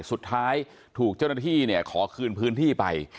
สุดท้ายถูกเจ้าหน้าที่เนี่ยขอคืนพื้นที่ไป